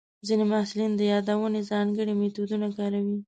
ځینې محصلین د یادونې ځانګړي میتودونه کاروي.